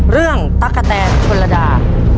เรื่องตะกะแทนชนระดา